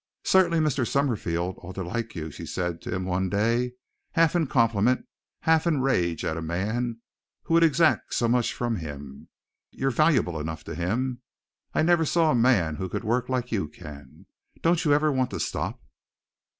"Certainly Mr. Summerfield ought to like you," she said to him one day, half in compliment, half in a rage at a man who would exact so much from him. "You're valuable enough to him. I never saw a man who could work like you can. Don't you ever want to stop?"